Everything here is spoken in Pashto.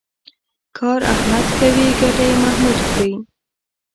کار احمد کوي ګټه یې محمود خوري.